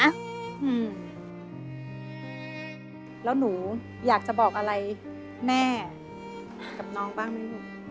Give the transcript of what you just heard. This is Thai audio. แล้วหนูอยากจะบอกอะไรแม่กับน้องบ้างไหมลูก